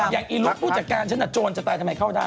อีลูกผู้จัดการฉันโจรจะตายทำไมเข้าได้